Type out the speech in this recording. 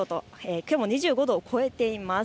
きょうも２５度を超えています。